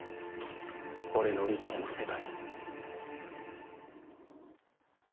俺の理想の世界を。